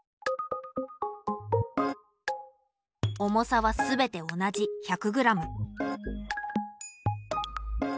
重さは全て同じ１００ｇ。